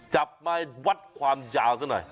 จับมาวัดความยาวซะหน่อย